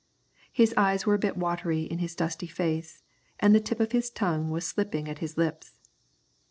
His eyes were a bit watery in his dusty face, and the tip of his tongue was slipping at his lips.